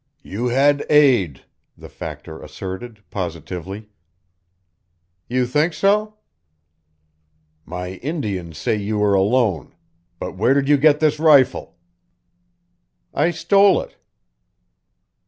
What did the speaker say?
"You had aid," the Factor asserted, positively. "You think so?" "My Indians say you were alone. But where did you get this rifle?" "I stole it."